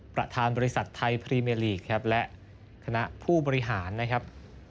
ประธานบริษัทไทยพรีเมลีกครับและคณะผู้บริหารนะครับ